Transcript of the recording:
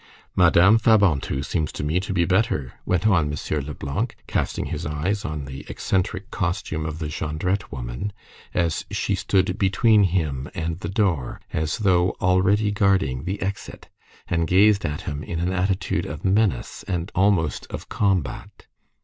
"Madame Fabantou seems to me to be better," went on M. Leblanc, casting his eyes on the eccentric costume of the Jondrette woman, as she stood between him and the door, as though already guarding the exit, and gazed at him in an attitude of menace and almost of combat.